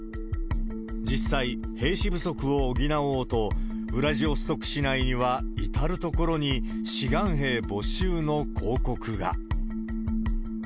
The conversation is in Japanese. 実際、兵士不足を補おうと、ウラジオストク市内には、至る所に志願兵募集の広告が。